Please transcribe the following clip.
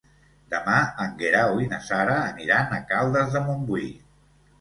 Demà en Guerau i na Sara aniran a Caldes de Montbui.